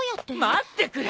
待ってくれ！